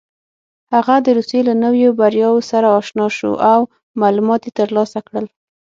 هغه د روسيې له نویو بریاوو سره اشنا شو او معلومات یې ترلاسه کړل.